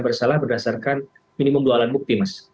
bersalah berdasarkan minimum dua alat bukti mas